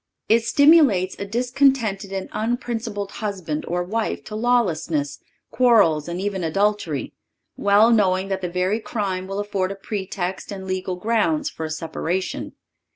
It stimulates a discontented and unprincipled husband or wife to lawlessness, quarrels and even adultery, well knowing that the very crime will afford a pretext and legal grounds for a separation.